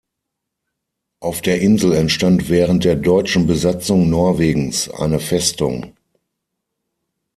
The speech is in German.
Auf der Insel entstand während der deutschen Besatzung Norwegens eine Festung.